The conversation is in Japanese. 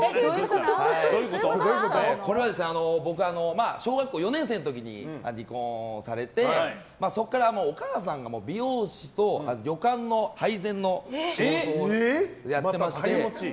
これは僕は小学校４年の時離婚されてそこからお母さんが美容師と旅館の配膳の仕事をやっていまして。